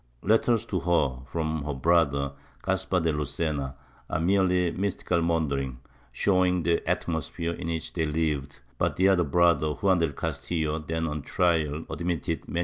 Letters to her from her brother, Caspar de Lucena, are mere mystical maun derings, showing the atmosphere in which they lived, but the other brother, Juan del Castillo, then on trial, admitted many ^ Melgares Marin, op.